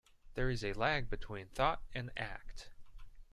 There is a lag between thought and act.